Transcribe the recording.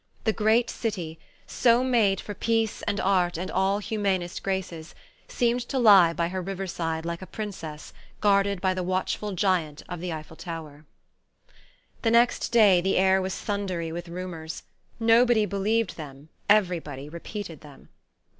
The great city, so made for peace and art and all humanest graces, seemed to lie by her river side like a princess guarded by the watchful giant of the Eiffel Tower. The next day the air was thundery with rumours. Nobody believed them, everybody repeated them.